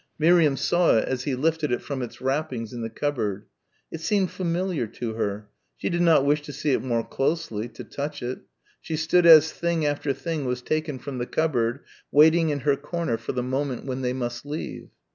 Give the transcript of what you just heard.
Miriam saw it as he lifted it from its wrappings in the cupboard. It seemed familiar to her. She did not wish to see it more closely, to touch it. She stood as thing after thing was taken from the cupboard, waiting in her corner for the moment when they must leave.